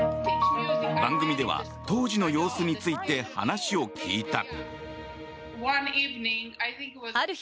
番組では当時の様子について話を聞いた。